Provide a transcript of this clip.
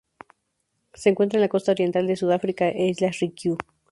Se encuentra en la costa oriental de Sudáfrica e Islas Ryukyu.